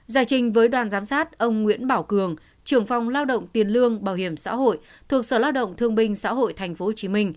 giải trình với đoàn giám sát ông nguyễn bảo cường trưởng phòng lao động tiền lương bảo hiểm xã hội thuộc sở lao động thương binh xã hội tp hcm